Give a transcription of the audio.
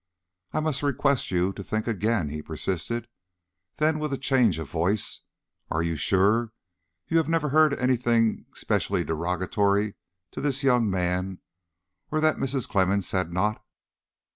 "I must request you to think again," he persisted. Then, with a change of voice: "Are you sure you have never heard any thing specially derogatory to this young man, or that Mrs. Clemmens had not?"